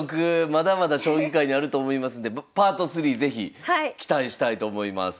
まだまだ将棋界にあると思いますんでＰａｒｔ３是非期待したいと思います。